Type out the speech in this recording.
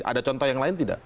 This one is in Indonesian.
ada contoh yang lain tidak